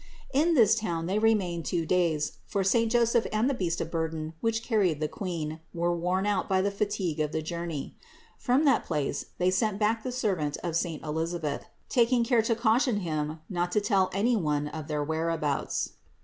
624. In this town they remained two days, for saint Joseph and the beast of burden which carried the Queen were worn out by the fatigue of the journey. From that place they sent back the servant of saint Elisabeth, taking care to caution him not to tell any one of their whereabouts.